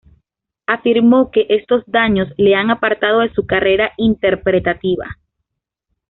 Afirmó que estos daños le han apartado de su carrera interpretativa.